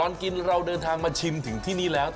ตอนกินเราเดินทางมาชิมถึงที่นี่แล้ว